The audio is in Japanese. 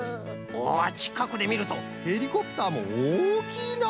おちかくでみるとヘリコプターもおおきいな。